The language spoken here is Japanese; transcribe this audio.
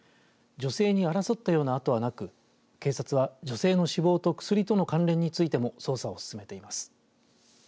女性に争ったような跡はなく警察は女性の死亡と薬との関連についても捜査を進めています。